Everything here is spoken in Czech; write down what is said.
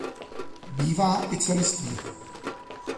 Bývá i celistvý.